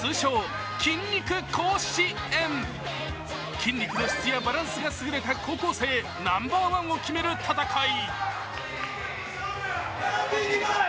筋肉の質やバランスがすぐれた高校生ナンバーワンを決める戦い。